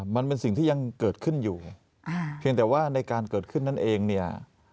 มันเป็นสิ่งที่ยังเกิดขึ้นอยู่เพียงแต่ว่าในการเกิดขึ้นนั่นเองเนี่ย